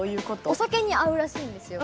お酒に合うらしいんですよ。